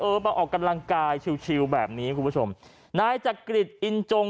มาออกกำลังกายชิวแบบนี้คุณผู้ชมนายจักริตอินจง